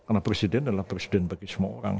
karena presiden adalah presiden bagi semua orang